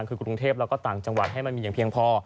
คือกรุงเทพแล้วก็ต่างจังหวัดให้มันมีอย่างเพียงพอ